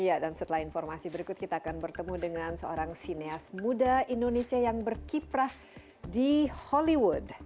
iya dan setelah informasi berikut kita akan bertemu dengan seorang sineas muda indonesia yang berkiprah di hollywood